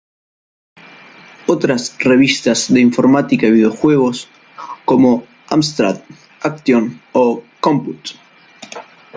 Otras revistas de informática y videojuegos, como "Amstrad Action" o "Compute!